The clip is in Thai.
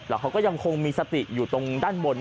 แล้วเขาก็ยังคงมีสติอยู่ตรงด้านบน